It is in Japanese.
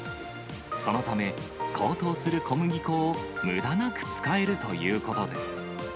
そのため、高騰する小麦粉をむだなく使えるということです。